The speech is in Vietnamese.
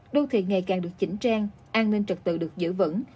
đô thị ngày càng được chỉnh trang an ninh trật tự được giữ vững